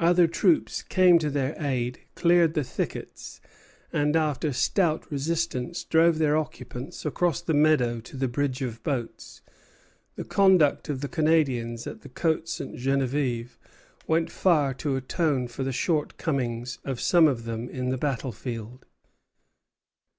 Other troops came to their aid, cleared the thickets, after stout resistance, and drove their occupants across the meadow to the bridge of boats. The conduct of the Canadians at the Côte Ste. Geneviève went far to atone for the shortcomings of some of them on the battle field.